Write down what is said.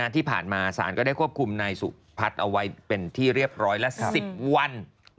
ที่ผ่านมาศาลก็ได้ควบคุมนายสุพัฒน์เอาไว้เป็นที่เรียบร้อยละ๑๐วัน